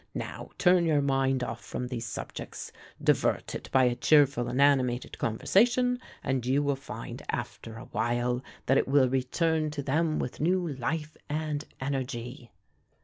Now, turn your mind off from these subjects divert it by a cheerful and animated conversation, and you will find, after a while, that it will return to them with new life and energy."